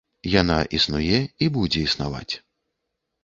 Яна існуе і будзе існаваць.